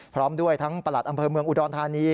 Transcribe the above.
พร้อมด้วยทั้งประหลัดอำเภอเมืองอุดรธานี